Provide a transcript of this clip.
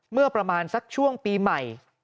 เมื่อประมาณสักช่วงปีใหม่